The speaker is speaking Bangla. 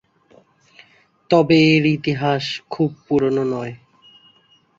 তবে এর ইতিহাস খুব পুরনো নয়।